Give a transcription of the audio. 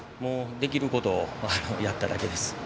できることをやっただけです。